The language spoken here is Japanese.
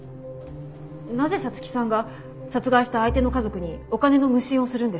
なぜ彩月さんが殺害した相手の家族にお金の無心をするんですか？